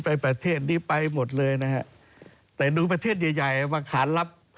ไปประเทศนี้ไปหมดเลยนะครับแต่ดูประเทศใหญ่มาขาดรับ